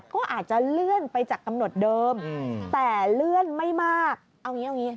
ก็คงไม่ใช่แบบว่าเว้ย